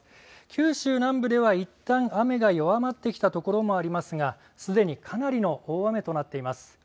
九州南部ではいったん雨が弱まってきたところもありますが、すでにかなりの大雨となっています。